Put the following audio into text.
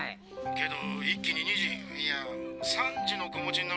けど一気に２児いや３児の子持ちになるわけだろ？